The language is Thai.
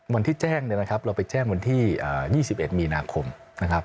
วันที่แจ้งเนี่ยนะครับเราไปแจ้งวันที่๒๑มีนาคมนะครับ